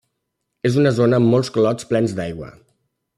És una zona amb molts clots plens d'aigua.